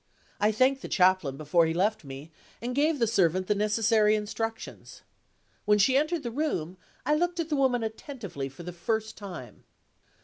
I thanked the Chaplain before he left me, and gave the servant the necessary instructions. When she entered the room, I looked at the woman attentively for the first time.